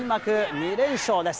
２連勝です。